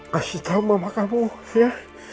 kasih tahu mama kamu ya